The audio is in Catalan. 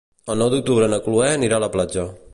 El nou d'octubre na Chloé anirà a la platja.